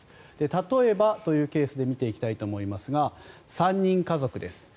例えばというケースで見ていきたいと思いますが３人家族です。